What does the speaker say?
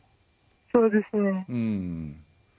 そうですね。